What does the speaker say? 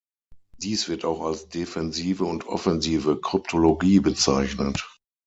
Dies wird auch als defensive und offensive Kryptologie bezeichnet.